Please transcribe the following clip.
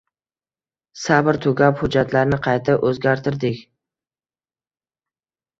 Sabr tugab, hujjatlarni qayta oʻzgartirdik.